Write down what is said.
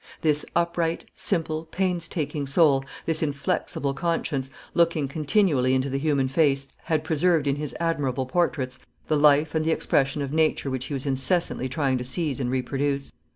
This upright, simple, painstaking soul, this inflexible conscience, looking continually into the human face, had preserved in his admirable portraits the life and the expression of nature which he was incessantly trying to seize and reproduce.